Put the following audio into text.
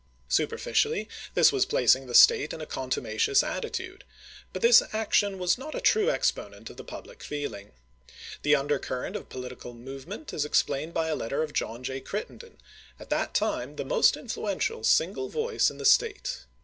Superficially, this was chap. xii. placing the State in a contumacious attitude, but Resoiu ,,... o T tions, May this action was not a true exponent of the public le, isci. feeling. The undercurrent of political movement is explained by a letter of John J. Crittenden, at that time the most influential single voice in the State.